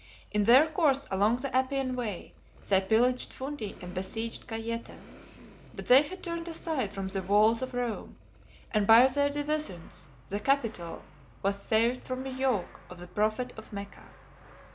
In their course along the Appian way, they pillaged Fundi and besieged Gayeta; but they had turned aside from the walls of Rome, and by their divisions, the Capitol was saved from the yoke of the prophet of Mecca.